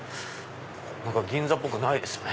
何か銀座っぽくないですね。